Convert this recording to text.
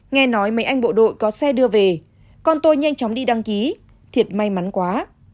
nghe nói mấy anh bộ đội có xe đưa về con tôi nhanh chóng đi đăng ký thiệt may mắn quá